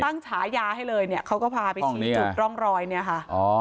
ทั้งขายาให้เลยนะเขาก็พาไปขี่ตุกร่องลอยเนี่ยฮะอ๋อ